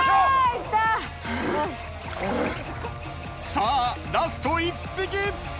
さあラスト１匹。